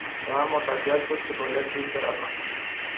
به من مسجل شد که باید زود بروم.